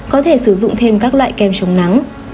có thể sử dụng thêm các loại kem chống nắng